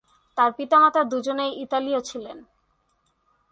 তার পিতামাতা দুজনেই ইতালীয় ছিলেন।